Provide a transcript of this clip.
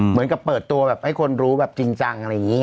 เหมือนกับเปิดตัวแบบให้คนรู้แบบจริงจังอะไรอย่างนี้